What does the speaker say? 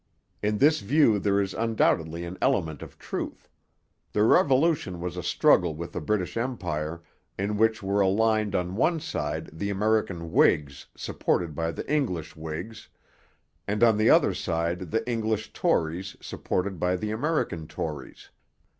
In this view there is undoubtedly an element of truth. The Revolution was a struggle within the British Empire, in which were aligned on one side the American Whigs supported by the English Whigs, and on the other side the English Tories supported by the American Tories.